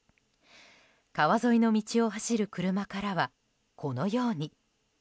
川沿いの道を走る車からはこのように。